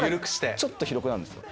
ちょっと広くなるんですよ。